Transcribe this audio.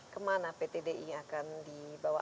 kemana pt di akan dibawa